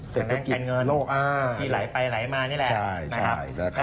สั่งแรงการเงินที่ไหลไปไหลมานี่แหละ